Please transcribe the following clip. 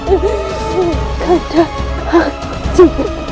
aku akan menjajahkanmu